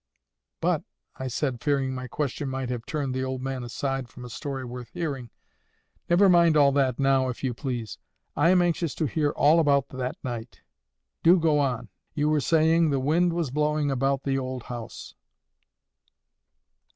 "But," I said, fearing my question might have turned the old man aside from a story worth hearing, "never mind all that now, if you please. I am anxious to hear all about that night. Do go on. You were saying the wind was blowing about the old house."